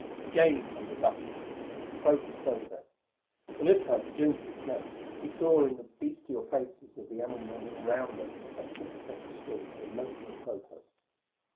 Again came the bucking and throaty protest; and this time, to Jim's dismay, he saw in the bestial faces of the animal men around them a sympathetic swing of emotional protest.